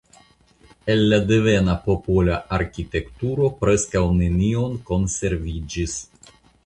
El la devena popola arkitekturo preskaŭ nenion konserviĝis.